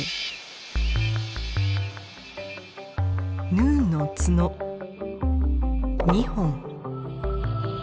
ヌーの角２本。